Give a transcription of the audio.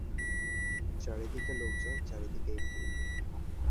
চারিদিকে লােক জন, চারিদিকেই ভিড়।